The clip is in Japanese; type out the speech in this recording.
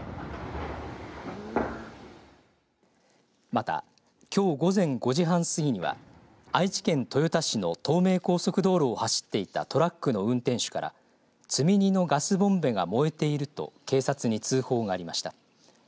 また、きょう午前５時半過ぎには愛知県豊田市の東名高速道路を走っていたトラックの運転手から積み荷のガスボンベが燃えていると警察に通報がありました。